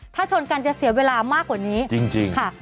ถ้าชนกันจะเสียเวลามากกว่านี้จริงค่ะ